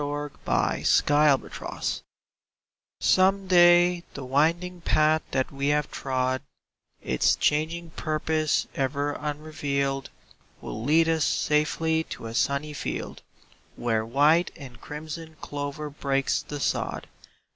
^be Xast Journeig OME day the winding path that we have trod, Its changing puroose ever unrevealed, Will lead us safely to a sunny field Where white and crimson clover breaks the sod.